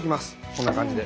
こんな感じで。